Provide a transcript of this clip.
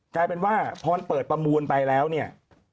กลายเป็นว่าพอเปิดประมูลไปแล้วเนี่ย